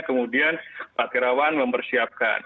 kemudian pak terawan mempersiapkan